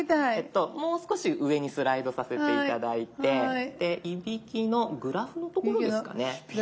もう少し上にスライドさせて頂いていびきのグラフの所ですかね。